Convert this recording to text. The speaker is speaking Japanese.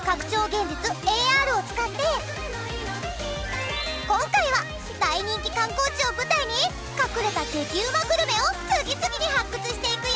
現実ＡＲを使って今回は大人気観光地を舞台に隠れた激うまグルメを次々に発掘していくよ！